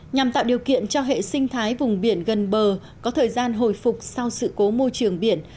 nhằm tạo điều kiện cho hệ sinh thái vùng biển gần bờ có thời gian hồi phục sau sự cố môi trường biển